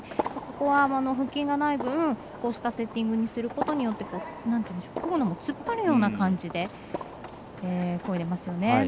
ここは腹筋がない分、こうしたセッティングにすることによって突っ張るような感じでこいでますよね。